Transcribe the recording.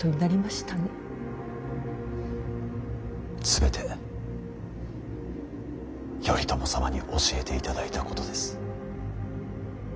全て頼朝様に教えていただいたことです。